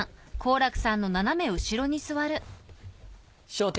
『笑点』